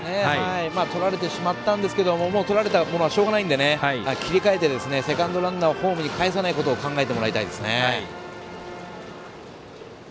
取られてしまったんですけど取られたものはしかたないので切り替えて、セカンドランナーをホームにかえさないことを考えてほしいです。